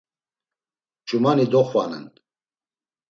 Ç̌umani doxvanen.